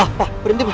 atau aku harus diruat